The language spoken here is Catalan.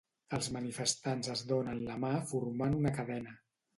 Els manifestants es donen la mà formant una cadena.